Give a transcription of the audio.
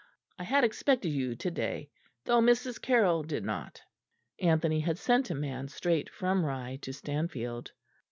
I had expected you to day, though Mrs. Carroll did not." (Anthony had sent a man straight from Rye to Stanfield.)